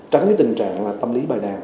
tránh cái tình trạng là tâm lý bài đàn